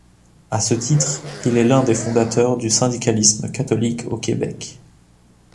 À ce titre, il est l'un des fondateurs du syndicalisme catholique au Québec.